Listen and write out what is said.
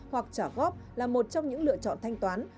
hoặc trả góp là một trong những lựa chọn thanh toán